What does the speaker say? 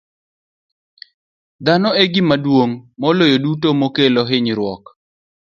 Dhano e gima duong' moloyo duto makelo hinyruok.